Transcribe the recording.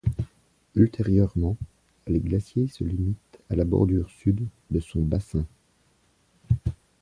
Ultérieurement, les glaciers se limitent à la bordure sud de son bassin.